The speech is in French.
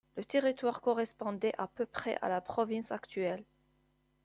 Le territoire correspondait à peu près à la province actuelle.